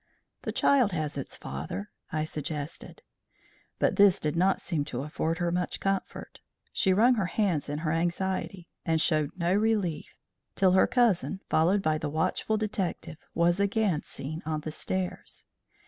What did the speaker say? "The child has its father," I suggested. But this did not seem to afford her much comfort. She wrung her hands in her anxiety, and showed no relief till her cousin, followed by the watchful detective, was again seen on the stairs.